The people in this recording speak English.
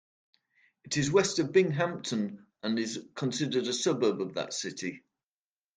It is west of Binghamton and is considered a suburb of that city.